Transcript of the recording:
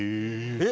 えっ？